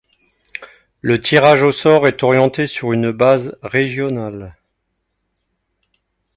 Le tirage au sort est orienté sur une base régionale.